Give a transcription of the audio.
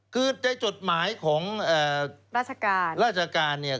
คือในจดหมายของราชการราชการเนี่ย